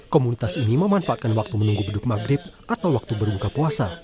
komunitas ini memanfaatkan waktu menunggu beduk maghrib atau waktu berbuka puasa